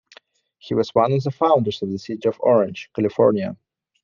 He was one of the founders of the city of Orange, California.